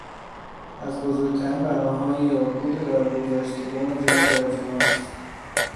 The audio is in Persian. از بزرگترین بناهای یادبود درگذشتگان جنگ در جهان است.